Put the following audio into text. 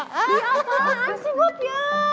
ya apaan sih bobi